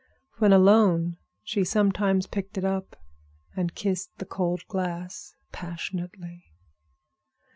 When alone she sometimes picked it up and kissed the cold glass passionately.